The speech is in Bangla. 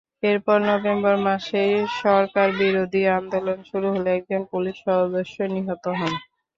এরপর নভেম্বর মাসেই সরকারবিরোধী আন্দোলন শুরু হলে একজন পুলিশ সদস্য নিহত হন।